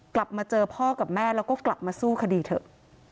กลับมาเจอพ่อกับแม่แล้วก็กลับมาสู้คดีเถอะ